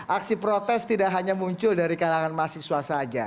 aksi protes tidak hanya muncul dari kalangan mahasiswa saja